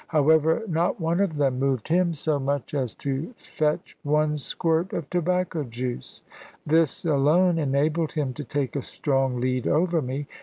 However, not one of them moved him so much as to fetch one squirt of tobacco juice. This alone enabled him to take a strong lead over me.